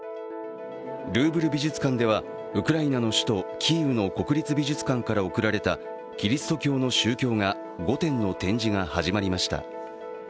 ルーブル美術館ではウクライナの首都キーウの国立美術館から送られたキリスト教の宗教画５点の展示が始まりました。